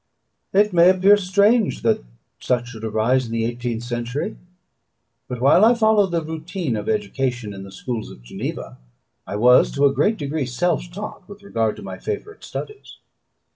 It may appear strange that such should arise in the eighteenth century; but while I followed the routine of education in the schools of Geneva, I was, to a great degree, self taught with regard to my favourite studies.